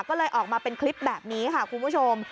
ก็เลยออกมาเป็นคลิปแบบนี้ค่ะคุณผู้ชม